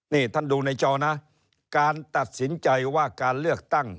นี่ท่านดูในจอนะการตัดสินใจว่าการเลือกตั้ง